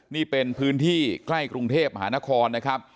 นี่เป็นพื้นที่ใกล้กรุงเทพมหานครนะครับ